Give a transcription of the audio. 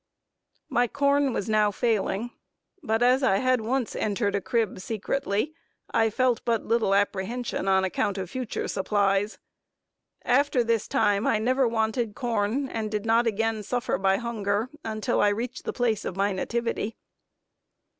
My corn was now failing, but as I had once entered a crib secretly, I felt but little apprehension on account of future supplies. After this time I never wanted corn, and did not again suffer by hunger, until I reached the place of my nativity.